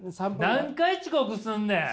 何回遅刻すんねん！